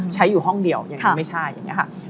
อยู่ห้องเดียวอย่างนี้ไม่ใช่อย่างนี้ค่ะ